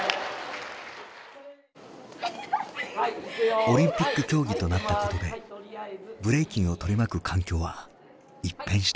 オリンピック競技となったことでブレイキンを取り巻く環境は一変した。